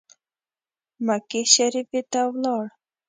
مکې شریفي ته ولاړ.